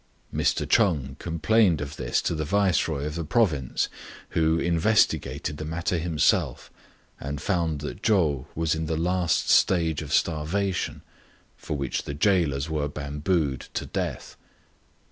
Mr. Ch'eng complained of this to the Viceroy of the province, who investigated the matter himself, and found that Chou was in the last stage of starvation, for which the gaolers were bambooed to death.